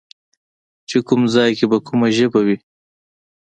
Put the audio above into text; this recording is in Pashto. چې کوم ځای کې به کومه ژبه وي